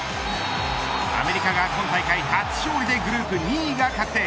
アメリカが今大会初勝利でグループ２位が確定。